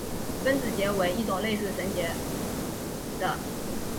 分子结为一种类似绳结的。